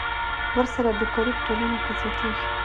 ورسره بېکاري په ټولنه کې زیاتېږي